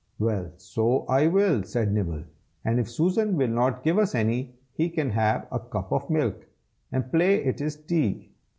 "Well, so I will!" said Nibble. "And if Susan will not give us any, he can have a cup of milk, and play it is tea."